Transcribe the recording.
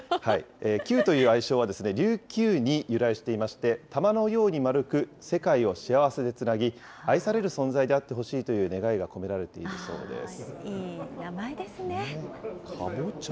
キュウという愛称は琉球に由来していまして、球のようにまるく、世界を幸せでつなぎ、愛される存在であってほしいという願いが込められているそうです。